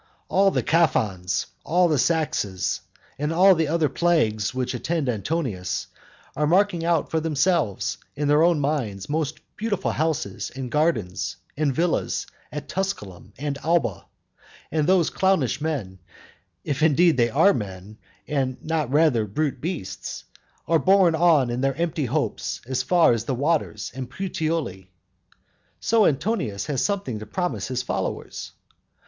All the Caphons, all the Saxas, and the other plagues which attend Antonius, are marking out for themselves in their own minds most beautiful houses, and gardens, and villas, at Tusculum and Alba; and those clownish men if indeed they are men, and not rather brute beasts are borne on in their empty hopes as far as the waters and Puteoli. So Antonius has something to promise to his followers.